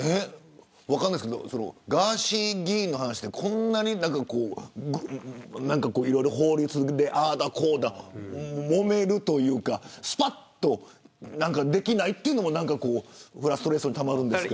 ガーシー議員の話でこんなにいろいろ法律でああだこうだもめるというかすぱっとできないというのもフラストレーションたまりますよね。